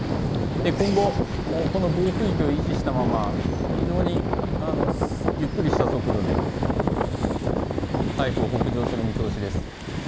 今後、この暴風域を維持したまま、非常にゆっくりした速度で台風、北上する見通しです。